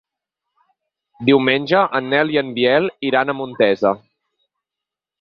Diumenge en Nel i en Biel iran a Montesa.